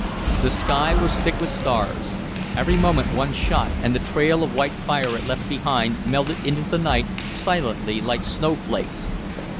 The sky was thick with stars; every moment one shot, and the trail of white fire it left behind melted into the night silently like snowflakes.